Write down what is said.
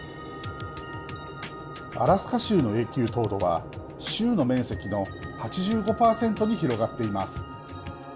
アラスカ州の永久凍土は州の面積の８５％に広がっています